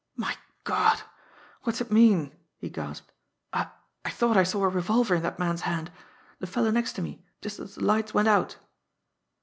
"My God what's it mean!" he gasped. "I I thought I saw a revolver in that man's hand, the fellow next to me, just as the lights went out."